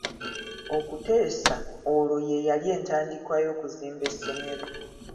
Okuteesa olwo ye yali entandikwa y'okuzimba essomero.